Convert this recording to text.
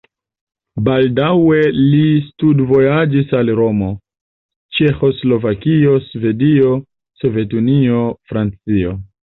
Baldaŭe li studvojaĝis al Romo, Ĉeĥoslovakio, Svedio, Sovetunio, Francio.